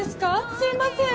すいません！